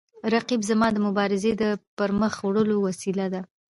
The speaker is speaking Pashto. رقیب زما د مبارزې د پرمخ وړلو وسیله ده